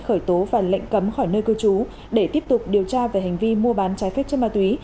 khởi tố và lệnh cấm khỏi nơi cư trú để tiếp tục điều tra về hành vi mua bán trái phép chất ma túy